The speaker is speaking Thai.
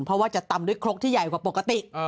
เพราะว่าจะตำด้วยครกที่ใหญ่กว่าปกติ